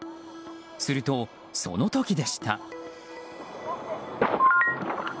すると、その時でした。